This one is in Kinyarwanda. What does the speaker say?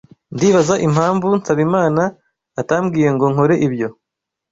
Ndibaza impamvu Nsabimana atambwiye ngo nkore ibyo.